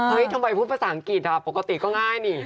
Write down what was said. เฮ่ยทำไมพูดภาษาอังกฤษครับปกติก็ง่ายนี่